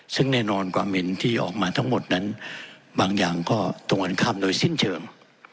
ซึ่งแน่นอนความเห็นที่ออกมาทั้งหมดนั้นบางอย่างก็ตรงกันข้ามโดยสิ้นเชิง